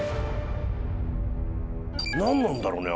何なんだろうね？